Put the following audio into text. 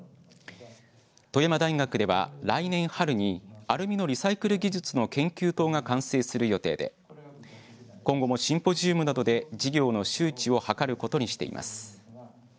富山大学では来年春にアルミのリサイクル技術の研究棟が完成する予定で今後もシンポジウムなどで事業の周知を図ることにしています。